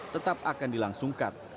tetap akan dilangsungkan